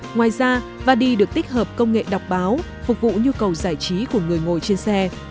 ngoài ra vadi được tích hợp công nghệ đọc báo phục vụ nhu cầu giải trí của người ngồi trên xe